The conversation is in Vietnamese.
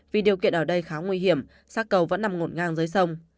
vì điều kiện ở đây khá nguy hiểm sát cầu vẫn nằm ngột ngang dưới sông